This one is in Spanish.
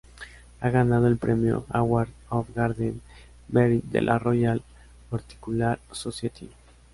Ha ganado el premio Award of Garden Merit de la Royal Horticultural Society.